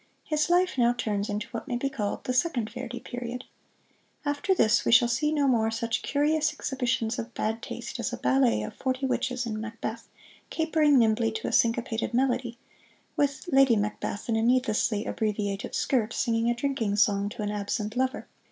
His life now turns into what may be called the Second Verdi Period. After this we shall see no more such curious exhibitions of bad taste as a ballet of forty witches in "Macbeth," capering nimbly to a syncopated melody, with "Lady Macbeth" in a needlessly abbreviated skirt singing a drinking song to an absent lover.